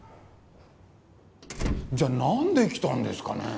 じゃあなんで来たんですかね？